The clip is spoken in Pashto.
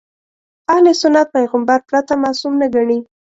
اهل سنت پیغمبر پرته معصوم نه ګڼي.